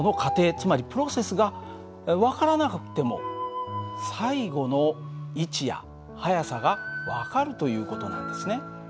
つまりプロセスが分からなくっても最後の位置や速さが分かるという事なんですね。